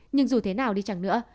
nhưng dù thế nào đi chẳng nữa